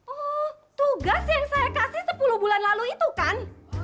oh tugas yang saya kasih sepuluh bulan lalu itu kan